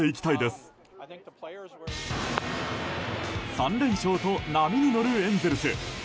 ３連勝と波に乗るエンゼルス。